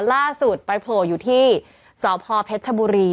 ล่าสุดไปโผล่อยู่ที่สพเพชรชบุรี